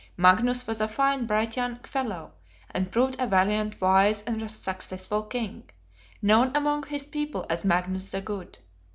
Magnus was a fine bright young fellow, and proved a valiant, wise, and successful King, known among his people as Magnus the Good.